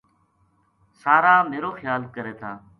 سارا میرو خیال کرے تھا